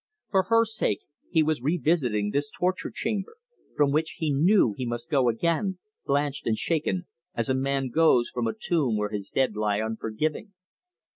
For her sake he was revisiting this torture chamber, from which he knew he must go again, blanched and shaken, as a man goes from a tomb where his dead lie unforgiving.